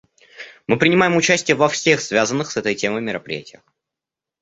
Мы принимаем участие во всех связанных с этой темой мероприятиях.